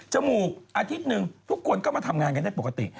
มูกอาทิตย์หนึ่งทุกคนก็มาทำงานกันได้ปกติ